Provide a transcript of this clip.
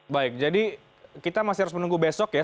baik jadi kita masih harus menunggu besok ya